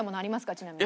ちなみに。